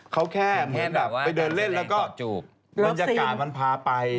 เขาแค่แบบไปเดินเล่นแล้วก็มันอยากการมันพาไป